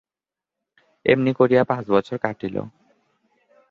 এমনি করিয়া পাঁচ বছর কাটিল।